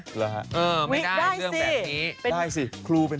ก็ไปวันกรูนี้